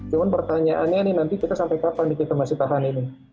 cuma pertanyaannya nih nanti kita sampai kapan nih kita masih tahan ini